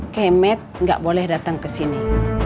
oke matt gak boleh datang kesini